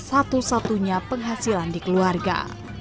satu satunya penghasilan di keluarga